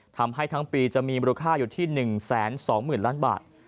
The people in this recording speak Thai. ทำให้ทั้งปีจะมีมูลค่าอยู่ที่๑๒๐๐๐ล้านบาท